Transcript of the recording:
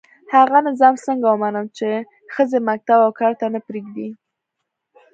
هغه نظام څنګه ومنم چي ښځي مکتب او کار ته نه پزېږدي